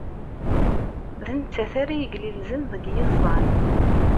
D nettat ara yeglilzen deg yiẓẓan.